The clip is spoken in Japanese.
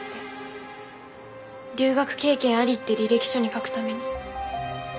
「留学経験あり」って履歴書に書くために。